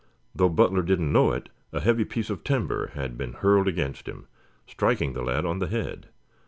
Though Butler did not know it, a heavy piece of timber had been hurled against him, striking the lad on the head.